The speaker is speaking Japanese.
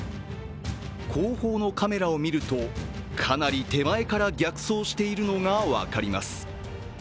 後方のカメラを見るとかなり手前から逆走しているのが分かります。